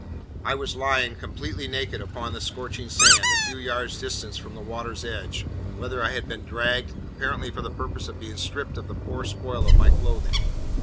I was lying, completely naked, upon the scorching sand, a few yards distant from the water's edge, whither I had been dragged, apparently for the purpose of being stripped of the poor spoil of my clothing.